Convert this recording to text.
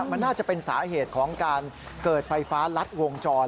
มันน่าจะเป็นสาเหตุของการเกิดไฟฟ้ารัดวงจร